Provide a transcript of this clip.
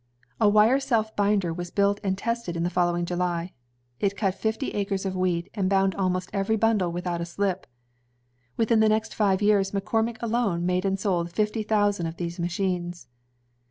A wire self binder was built and tested in the following July. It cut fifty acres of wheat, and bound almost every bun dle without a sUp. Within the next five years, McCor mick. alone made and sold fifty thousand of these machines.